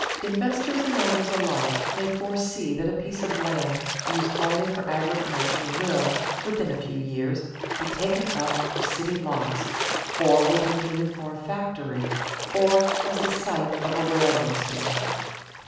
Investors and owners alike may foresee that a piece of land used only for agriculture will, within a few years, be taken up for city lots, or will be needed for a factory or as the site of a railroad station.